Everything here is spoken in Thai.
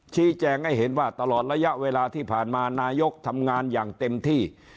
ชี้แจงให้เห็นว่าตลอดระยะเวลาที่ผ่านมานายกทำงานอย่างเต็มที่